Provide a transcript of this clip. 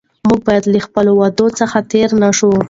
موږ باید له خپلو وعدو څخه تېر نه شو.